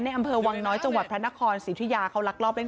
อำเภอวังน้อยจังหวัดพระนครสิทธิยาเขาลักลอบเล่น